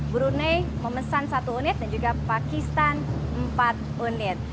brunei memesan satu unit dan juga pakistan empat unit